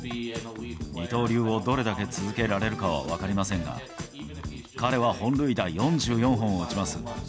二刀流をどれだけ続けられるかは分かりませんが、彼は本塁打４４本を打ちます。